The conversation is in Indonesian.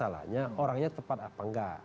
masalahnya orangnya tepat apa enggak